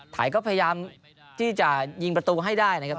ไทยก็พยายามที่จะยิงประตูให้ได้นะครับ